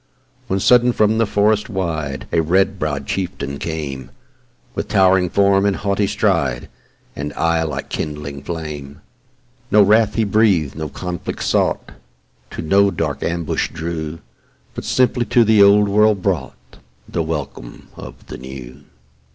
When sudden from the forest wide A red brow'd chieftain came, With towering form, and haughty stride, And eye like kindling flame: No wrath he breath'd, no conflict sought, To no dark ambush drew, But simply to the Old World brought, The welcome of the New.